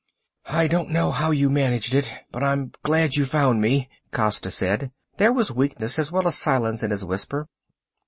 "I don't know how you managed it, but I'm glad you found me," Costa said. There was weakness as well as silence in his whisper.